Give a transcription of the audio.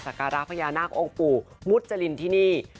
ศักราพญานาคองปู่มุจจริงที่นี่